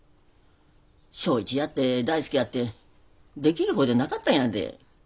省一やって大介やってできる方でなかったんやで。